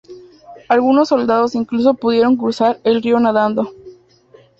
Algunos soldados incluso pudieron cruzar el río nadando.